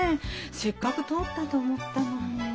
せっかく通ったと思ったのに。